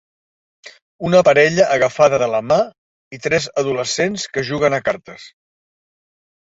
Una parella agafada de la mà i tres adolescents que juguen a cartes.